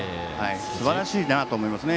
すばらしいなと思いますね